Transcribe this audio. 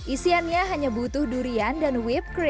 isiannya hanya butuh durian dan whippe cream